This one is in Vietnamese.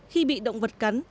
khi bị động vật cắn